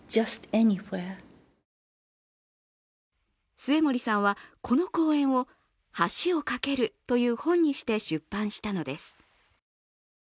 末盛さんはこの講演を「橋をかける」という本にして出版したのです。